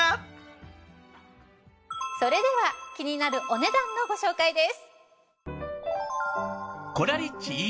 それでは気になるお値段のご紹介です。